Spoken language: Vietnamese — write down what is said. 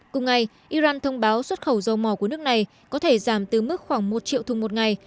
cùng ngày iran thông báo xuất khẩu dầu mỏ của nước này có thể giảm từ mức khoảng một triệu thùng một ngày